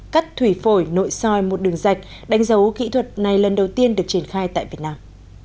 cắt thủy phổi nội soi một đường dạch đánh dấu kỹ thuật này lần đầu tiên được triển khai tại việt nam